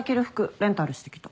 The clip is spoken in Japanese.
レンタルしてきた。